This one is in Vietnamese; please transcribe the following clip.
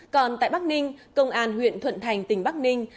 còn tại bắc ninh công an huyện thuận thành tỉnh bắc ninh